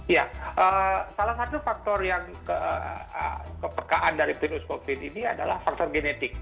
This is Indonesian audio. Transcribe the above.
ya salah satu faktor yang kepekaan dari virus covid ini adalah faktor genetik